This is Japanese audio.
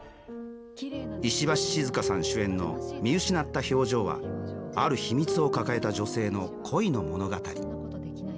石橋静河さん主演の「見失った表情」はある秘密を抱えた女性の恋の物語。